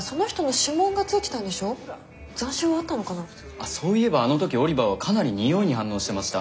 あっそういえばあの時オリバーはかなり匂いに反応してました。